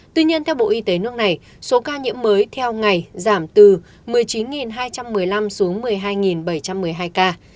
tuy nhiên theo bộ y tế nước này số ca nhiễm mới theo ngày giảm từ một mươi chín hai trăm một mươi năm xuống một mươi hai bảy trăm một mươi hai ca